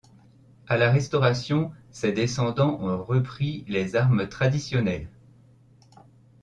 À la Restauration ses descendants ont repris les armes traditionnelles.